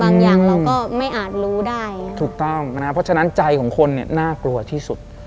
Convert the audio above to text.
อย่างเราก็ไม่อาจรู้ได้ถูกต้องนะครับเพราะฉะนั้นใจของคนเนี่ยน่ากลัวที่สุด